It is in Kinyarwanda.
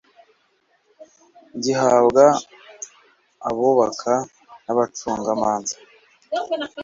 gihabwa abubaka n abacunga imanza